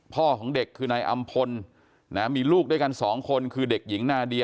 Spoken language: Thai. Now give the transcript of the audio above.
ของเด็กคือนายอำพลมีลูกด้วยกันสองคนคือเด็กหญิงนาเดีย